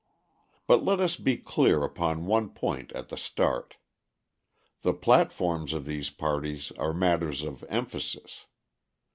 But let us be clear upon one point at the start. The platforms of these parties are matters of emphasis.